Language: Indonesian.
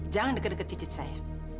jangan deket deket cicit saya